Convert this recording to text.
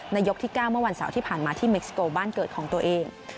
ยกที่๙เมื่อวันเสาร์ที่ผ่านมาที่เม็กสโกบ้านเกิดของตัวเอง